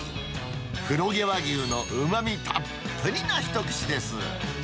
黒毛和牛のうまみたっぷりな一串です。